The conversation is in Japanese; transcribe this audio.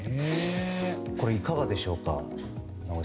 これいかがでしょうか？